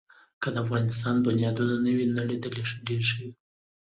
که د افغانستان بنیادونه نه وی نړېدلي، ډېر ښه وو.